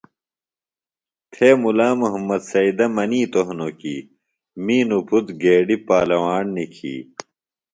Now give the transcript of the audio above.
تھےۡ مُلا محمد سیدہ منِیتوۡ ہِنوۡ کی می نوۡ پُتر گیڈیۡ پالواݨ نِکھی